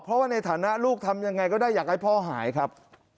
เพราะว่าในฐานะลูกทำยังไงก็ได้อยากให้พ่อหายครับ